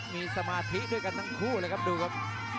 มีสมาธิด้วยกันทั้งคู่เลยครับดูครับ